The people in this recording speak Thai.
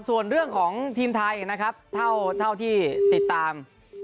ส่วนเรื่องของทีมไทยนะครับเท่าที่ติดตาม